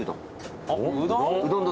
うどん？